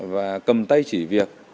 và cầm tay chỉ việc